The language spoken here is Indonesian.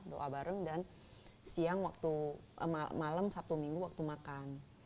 doa bareng dan siang waktu malam sabtu minggu waktu makan